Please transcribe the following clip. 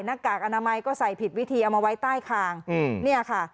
กากอนามัยก็ใส่ผิดวิธีเอามาไว้ใต้คางอืมเนี่ยค่ะ